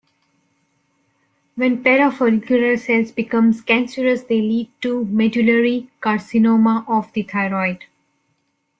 When parafollicular cells become cancerous, they lead to medullary carcinoma of the thyroid.